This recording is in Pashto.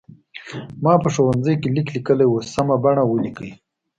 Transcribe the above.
ما په ښوونځي کې لیک لیکلی و سمه بڼه ولیکئ.